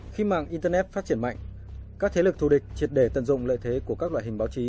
khi mạng internet phát triển mạnh các thế lực thù địch triệt để tận dụng lợi thế của các loại hình báo chí